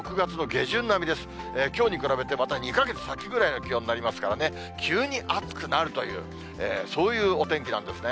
きょうに比べて、また２か月先ぐらいの気温になりますからね、急に暑くなるという、そういうお天気なんですね。